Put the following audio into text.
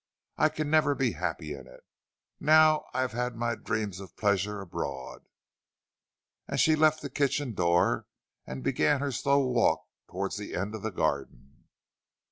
"I can never be happy in it, now I have had my dreams of pleasure abroad." And she left the kitchen door and began her slow walk towards the end of the garden.